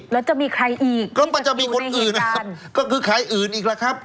แล้วจะมีใครอีกแล้วมันจะมีคนอื่นนะครับก็คือใครอื่นอีกล่ะครับ